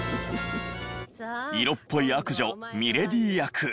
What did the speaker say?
色っぽい悪女ミレディ役。